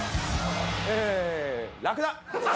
えーラクダ！